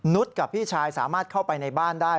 กับพี่ชายสามารถเข้าไปในบ้านได้